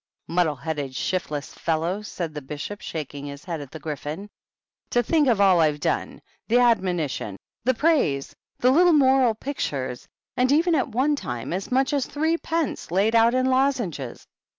" Muddle headed, shift less fellow !" said the Bishop, shaking his head at the Gryphon ;" to think of all I've done !— ^the admonition ! the praise ! the little moral pictures 1 and even at one time as much as threepence laid out in lozenges!